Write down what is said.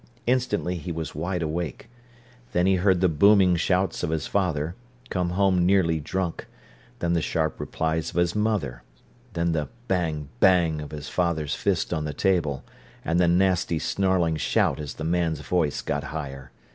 Instantly he was wide awake. Then he heard the booming shouts of his father, come home nearly drunk, then the sharp replies of his mother, then the bang, bang of his father's fist on the table, and the nasty snarling shout as the man's voice got higher.